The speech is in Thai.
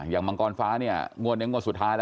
อย่างมังกรฟ้างวดในงวดสุดท้ายนะ